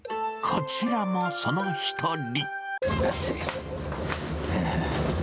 こちらもその一人。